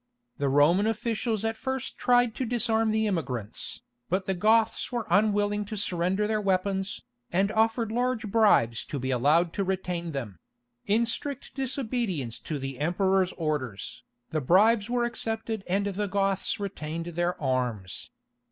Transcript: The Roman officials at first tried to disarm the immigrants, but the Goths were unwilling to surrender their weapons, and offered large bribes to be allowed to retain them: in strict disobedience to the Emperor's orders, the bribes were accepted and the Goths retained their arms.